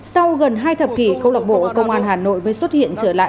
sau gần hai thập kỷ công an hà nội mới xuất hiện trở lại